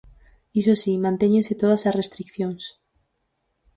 Iso si, mantéñense todas as restricións.